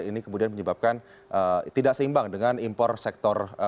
ini kemudian menyebabkan tidak seimbang dengan impor sektor